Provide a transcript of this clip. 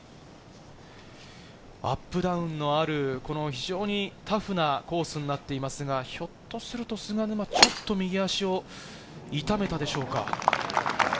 アップダウンのある非常にタフなコースになっていますが、ひょっとすると菅沼、ちょっと右足を痛めたでしょうか。